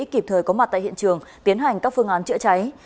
kịp thời có mặt tại hiện trường tiến hành các phương án chữa cháy